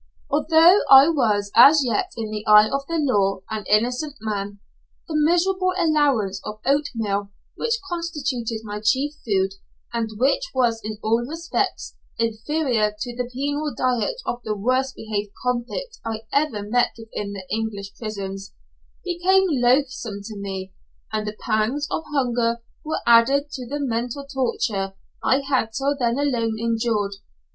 Although I was as yet in the eye of the law an innocent man, the miserable allowance of oatmeal which constituted my chief food, and which was in all respects inferior to the penal diet of the worst behaved convict I ever met with in the English prisons, became loathsome to me, and the pangs of hunger were added to the mental torture I had till then alone endured.